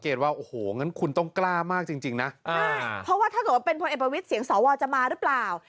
เพราะว่าถ้าเกิดว่าเป็นพลแอบวิทย์เสียงสอวรจะมาหรือเปล่า